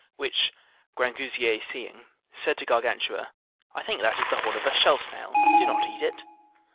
Which Grangousier seeing, said to Gargantua, I think that is the horn of a shell snail, do not eat it.